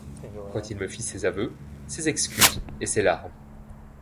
Quand il me fit ses aveux, ses excuses et ses larmes…